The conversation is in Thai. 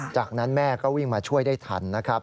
จากนั้นแม่ก็วิ่งมาช่วยได้ทันนะครับ